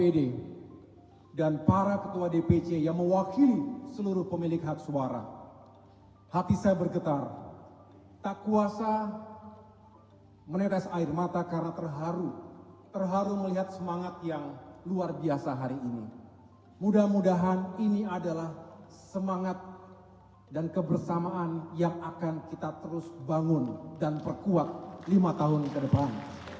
dan kebersamaan yang akan kita terus bangun dan perkuat lima tahun ke depan